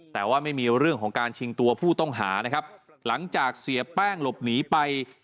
แต่ว่าไม่มีเรื่องของการชิงตัวผู้ต้องหานะครับหลังจากเสียแป้งหลบหนีไป